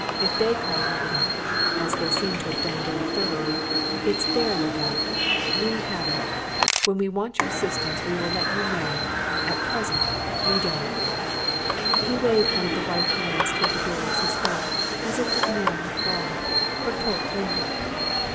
If they call you in as they seem to have done very thoroughly it's their look out. We haven't! When we want your assistance, we'll let you know. At present we don't." He waved one of the white hands towards the door as he spoke, as if to command withdrawal. But Polke lingered.